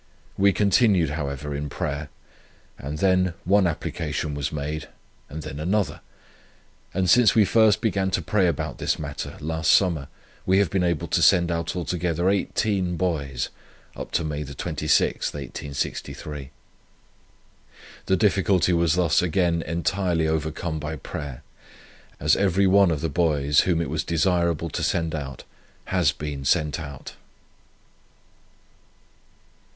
We continued, however, in prayer, and then one application was made, and then another; and since we first began to pray about this matter, last summer, we have been able to send out altogether 18 boys up to May 26, 1863; the difficulty was thus again entirely overcome by prayer, as every one of the boys, whom it was desirable to send out, has been sent out."